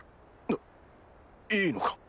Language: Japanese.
えっいいのか？